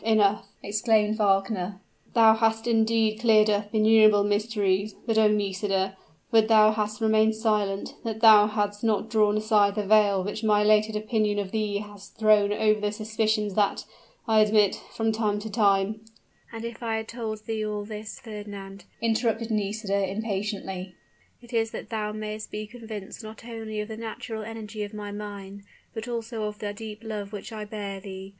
enough!" exclaimed Wagner; "thou hast indeed cleared up innumerable mysteries! But, oh! Nisida would that thou hadst remained silent that thou hadst not drawn aside the veil which my elevated opinion of thee had thrown over the suspicions that, I admit, from time to time " "And if I have told thee all this, Fernand," interrupted Nisida, impatiently, "it is that thou may'st be convinced not only of the natural energy of my mind, but also of the deep love which I bear thee.